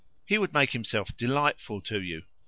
"He would make himself delightful to you."